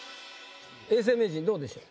永世名人どうでしょう？